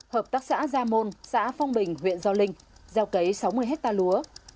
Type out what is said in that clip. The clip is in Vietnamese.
hợp tác xã gia môn xã phong bình huyện giao linh giao cấy sáu mươi hectare lúa